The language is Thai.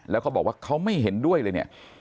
แล้วเขาบอกว่าเขาไม่เห็นด้วยเลยเนี่ย